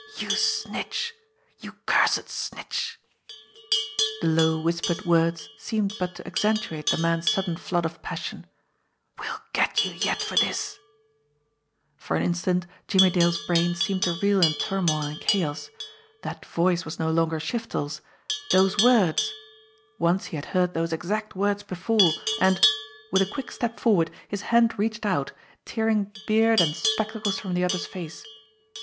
"You snitch, you cursed snitch" the low, whispered words seemed but to accentuate the man's sudden flood of passion "we'll get you yet for this !" For an instant Jimmie Dale's brain seemed to reel in tur moil and chaos. That voice was no longer Shiftel's. Those words ! Once he had heard those exact words before, and with a quick step forward, his hand reached out, tearing beard and spectacles from the other's face.